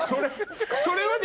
それはね